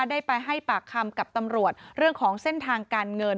ได้ไปให้ปากคำกับตำรวจเรื่องของเส้นทางการเงิน